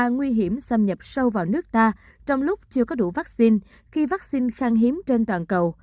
nguy hiểm xâm nhập sâu vào nước ta trong lúc chưa có đủ vaccine khi vaccine khang hiếm trên toàn cầu